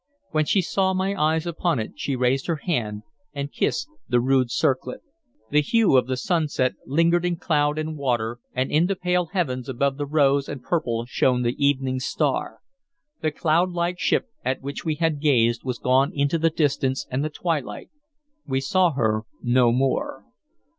When she saw my eyes upon it, she raised her hand and kissed the rude circlet. The hue of the sunset lingered in cloud and water, and in the pale heavens above the rose and purple shone the evening star. The cloudlike ship at which we had gazed was gone into the distance and the twilight; we saw her no more.